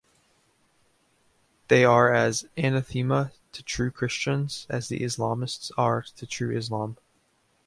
They are as anathema to true Christians as the Islamists are to true Islam.